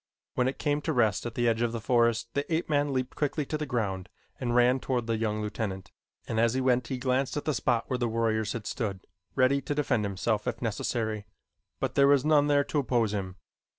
When it came to rest at the edge of the forest the ape man leaped quickly to the ground and ran toward the young lieutenant, and as he went he glanced at the spot where the warriors had stood, ready to defend himself if necessary, but there was none there to oppose him.